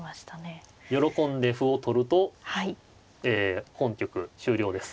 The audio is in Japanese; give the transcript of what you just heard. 喜んで歩を取ると本局終了です。